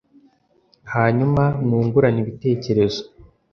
hanyuma mwungurane ibitekerezo